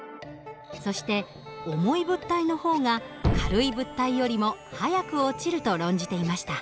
そして重い物体の方が軽い物体よりも早く落ちると論じていました。